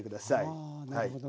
あなるほどね。